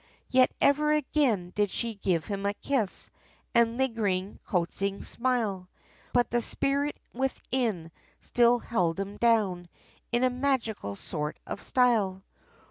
Yet ever again, did she give him a kiss, And a lingering, coaxing smile, But the spirit within, still held him down, In a magical sort of style!